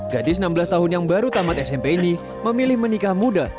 gadis enam belas tahun yang baru tamat smp ini memilih menikah muda